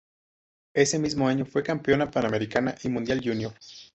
Ese mismo año fue campeona panamericana y mundial junior.